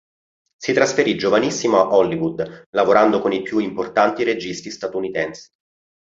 Si trasferì giovanissimo a Hollywood lavorando con i più importanti registi statunitensi.